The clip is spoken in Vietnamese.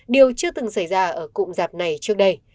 điều chưa từng xảy ra ở cụm rạp này trước đây